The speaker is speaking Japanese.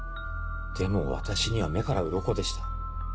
でも私には目からうろこでした。